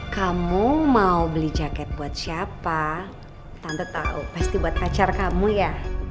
kamu mau beli jaket buat siapa tante tahu pasti buat pacar kamu ya